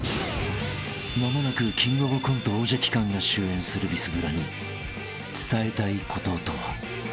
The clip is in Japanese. ［間もなくキングオブコント王者期間が終焉するビスブラに伝えたいこととは？］